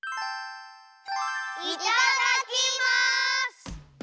いただきます！